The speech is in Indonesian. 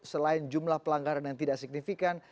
selain jumlah pelanggaran yang tidak signifikan